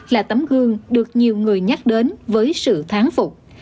là tấm gương được nhiều người nhắc đến với sự tháng phục